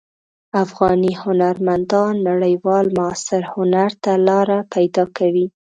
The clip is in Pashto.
افغاني هنرمندان نړیوال معاصر هنر ته لاره پیدا کوي.